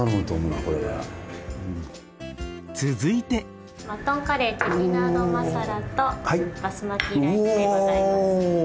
続いてマトンカレーチェディナードマサラとバスマティライスでございます。